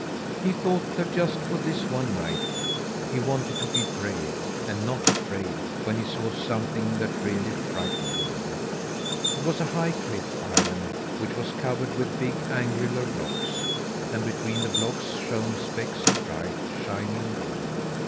He thought that just for this one night he wanted to be brave, and not afraid when he saw something that really frightened him. It was a high cliff island, which was covered with big, angular blocks; and between the blocks shone specks of bright, shining gold.